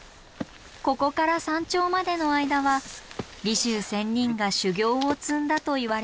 ここから山頂までの間は利修仙人が修行を積んだといわれる場所。